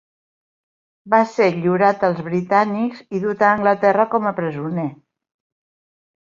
Va ser lliurat als britànics i dut a Anglaterra com a presoner.